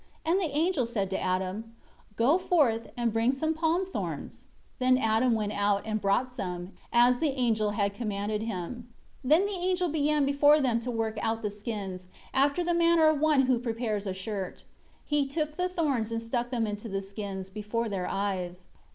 And the angel said to Adam, "Go forth, and bring some palm thorns." Then Adam went out, and brought some, as the angel had commanded him. 6 Then the angel began before them to work out the skins, after the manner of one who prepares a shirt. And he took the thorns and stuck them into the skins, before their eyes.